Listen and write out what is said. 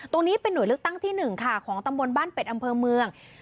ตรงนี้เป็นหน่วยเลือกตั้งที่๑ค่ะของตำบลบ้านเป็ดอำเภอเมือง